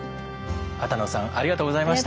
波田野さんありがとうございました。